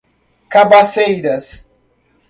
Cabaceiras